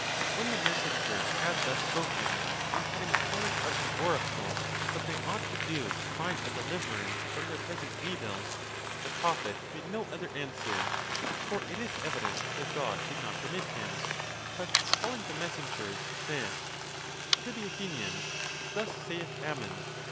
] When the messenger had thus spoken, and had inquired of the oracle what they ought to do to find a deliverance from their present evils, the prophet made no other answer ;7°—for it is evident the god did not permit him—but calling (the mes sengers),'7 said,— To the Athenians thus saith Ammon.